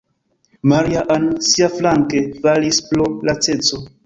Maria-Ann, siaflanke, falis pro laceco.